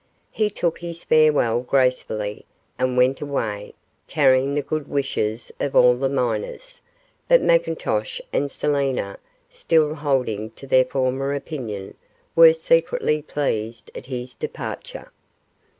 He took his farewell gracefully, and went away, carrying the good wishes of all the miners; but McIntosh and Selina, still holding to their former opinion, were secretly pleased at his departure.